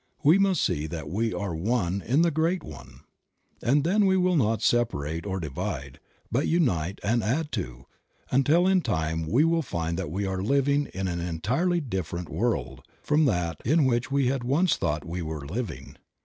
We must see that we are one in the great one, and then we will not separate or divide, but unite and add to, until in time we will find that we are living in an entirely different world from that in which we had once thought we were living.